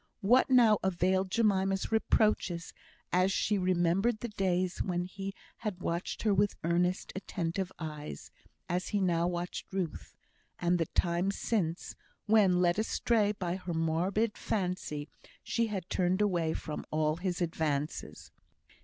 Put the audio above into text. What now availed Jemima's reproaches, as she remembered the days when he had watched her with earnest, attentive eyes, as he now watched Ruth; and the times since, when, led astray by her morbid fancy, she had turned away from all his advances!